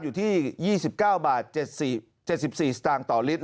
อยู่ที่๒๙บาท๗๔สตางค์ต่อลิตร